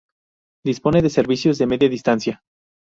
Dispone de servicios de media distancia.